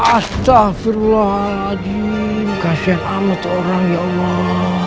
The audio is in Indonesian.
astaghfirullahaladzim kasihan amat orang ya allah